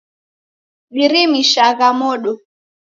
Dirimishagha modo.